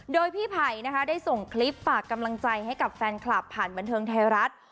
โดยพี่ไผ่นะคะได้ส่งคลิปฝากกำลังใจให้กับแฟนคลับผ่านบันเทิงไทยรัฐ